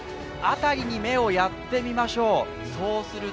辺りに目をやってみましょう。